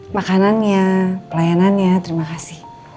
makanannya pelayanannya terima kasih